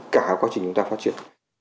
cả quá trình chúng ta phát triển